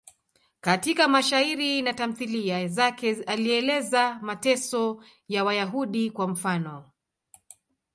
Katika mashairi na tamthiliya zake alieleza mateso ya Wayahudi, kwa mfano.